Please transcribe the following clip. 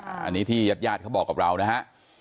อันนี้ที่ญาติญาติเขาบอกกับเรานะฮะ